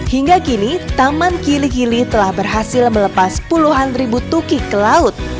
hingga kini taman kili kili telah berhasil melepas puluhan ribu tukik ke laut